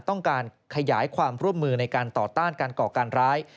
ต้องการขยายความร่วมมือในการต่อต้านการก่อการร้าย